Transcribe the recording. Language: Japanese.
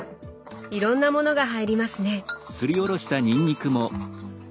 いろんなものが入りますね。